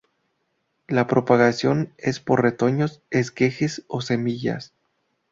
La propagación es por retoños, esquejes o semillas.